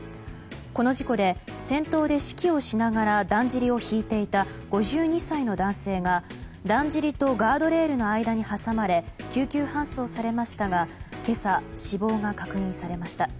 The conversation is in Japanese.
この事故で先頭で指揮をしながらだんじりを引いていた５２歳の男性がだんじりとガードレールの間に挟まれ救急搬送されましたが今朝、死亡が確認されました。